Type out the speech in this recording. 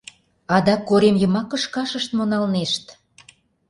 Адак корем йымак кышкашышт мо налнешт?